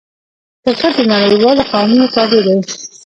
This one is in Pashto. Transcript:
کرکټ د نړۍوالو قوانینو تابع دئ.